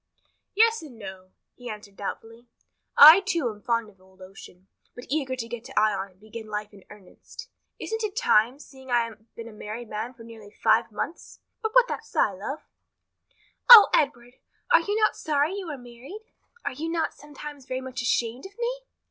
"Yes and no," he answered, doubtfully. "I, too, am fond of old ocean, but eager to get to Ion and begin life in earnest. Isn't it time, seeing I have been a married man for nearly five months? But why that sigh, love?" "O Edward, are you not sorry you are married? Are you not sometimes very much ashamed of me?"